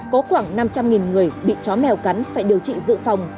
có khoảng năm trăm linh người bị chó mèo cắn phải điều trị dự phòng